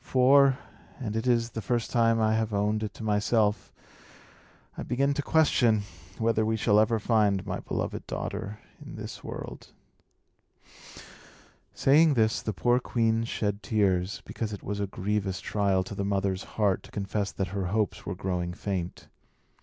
For and it is the first time I have owned it to myself I begin to question whether we shall ever find my beloved daughter in this world." Saying this, the poor queen shed tears, because it was a grievous trial to the mother's heart to confess that her hopes were growing faint.